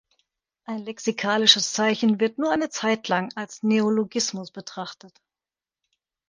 Ein lexikalisches Zeichen wird nur eine Zeitlang als Neologismus betrachtet.